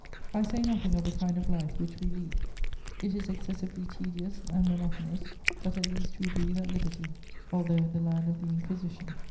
"I say nothing of the kind of life which we lead: it is excessively tedious and monotonous, but at least we breathe at liberty, although in the land of the Inquisition.